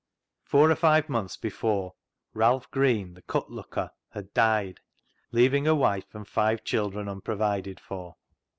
Four or five months before, Ralph Green, the cut looker, had died, leaving a wife and five children unprovided for.